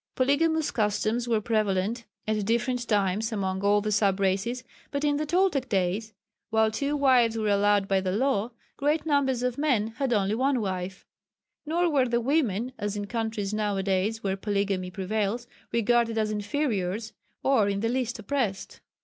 Polygamous customs were prevalent at different times among all the sub races, but in the Toltec days while two wives were allowed by the law, great numbers of men had only one wife. Nor were the women as in countries now a days where polygamy prevails regarded as inferiors, or in the least oppressed.